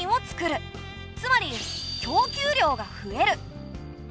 つまり供給量が増える。